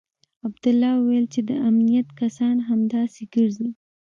عبدالله وويل چې د امنيت کسان همداسې ګرځي.